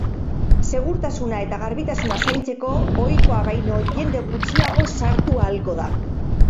Segurtasuna eta garbitasuna zaintzeko, ohikoa baino jende gutxiago sartu ahalko da.